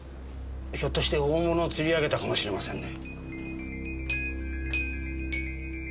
ひょっとして大物を釣り上げたかもしれませんね。